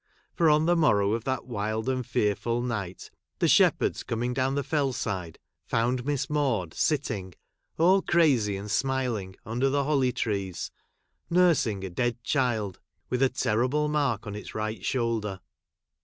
for, on the mori'OAV of that wild and fearful night, the shepherds, coming down the Fell side, found Miss Maude sitting, all crazy and , smiling, under the holly trees, nureing a dead child, — with a terrible mark on its rigth shoulder.